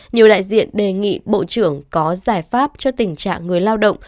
nhiều đại diện đề nghị bộ trưởng có giải pháp cho tình trạng người lao động